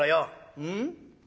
うん？